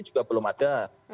juga belum ada